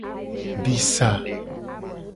Di sa.